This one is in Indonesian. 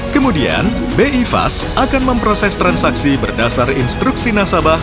kemudian bi fast akan memproses transaksi berdasar instruksi nasabah